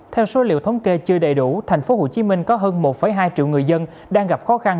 theo số liệu thống kê chưa đầy đủ tp hcm có hơn một hai triệu người dân đang gặp khó khăn